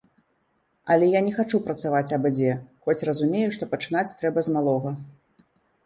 Але я не хачу працаваць абы-дзе, хоць разумею, што пачынаць трэба з малога.